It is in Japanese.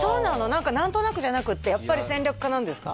何か何となくじゃなくてやっぱり戦略家なんですか？